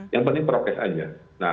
yang penting prokes aja